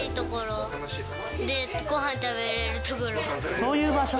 「そういう場所か」